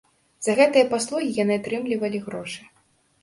За гэтыя паслугі яны атрымлівалі грошы.